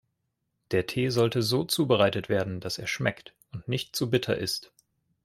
Der Tee sollte so zubereitet werden, dass er schmeckt und nicht zu bitter ist.